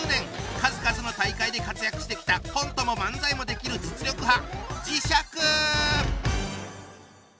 数々の大会で活躍してきたコントも漫才もできる実力派磁石！